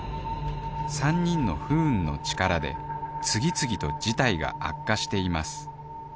３人の不運の力で次々と事態が悪化しています